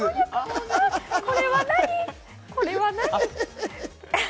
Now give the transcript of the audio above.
これは何？